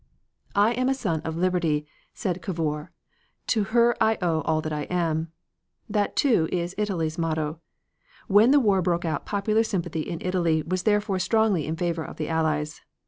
"I am a son of liberty," said Cavour, "to her I owe all that I am." That, too, is Italy's motto. When the war broke out popular sympathy in Italy was therefore strongly in favor of the Allies.